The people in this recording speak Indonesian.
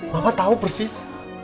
mama tau persis